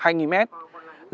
chọn đúng ngày chặt đó